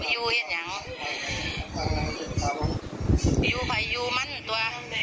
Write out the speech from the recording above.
อยู่เยอะอย่างทิ้งไปอยู่มันตัว